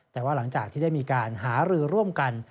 แต่ว่าหลังจากที่ได้มีการหารือร่วมกัน